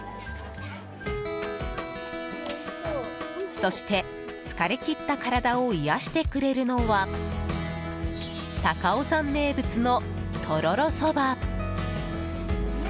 そして疲れ切った体を癒やしてくれるのは高尾山名物のとろろそば。